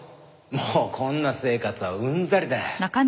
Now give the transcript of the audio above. もうこんな生活はうんざりだ。